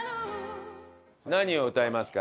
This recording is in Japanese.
何を歌いますか？